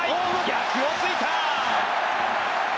逆を突いた！